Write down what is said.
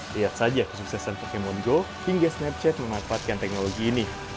lihat saja kesuksesan pokemon go hingga snapchat memanfaatkan teknologi ini